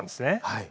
はい。